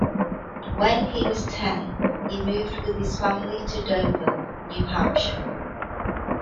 When he was ten, he moved with his family to Dover, New Hampshire.